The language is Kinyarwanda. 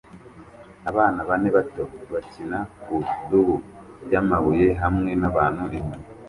Abana bane bato bakina ku idubu ryamabuye hamwe nabantu inyuma